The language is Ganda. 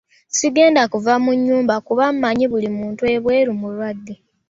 Sigenda kuva mu nnyumba kuba mmanyi buli muntu ebweru mulwadde .